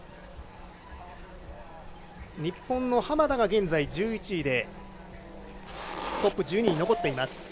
日本の浜田が現在１１位でトップ１２に残っています。